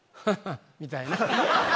みたいな。